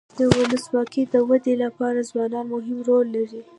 د ولسواکۍ د ودي لپاره ځوانان مهم رول لري.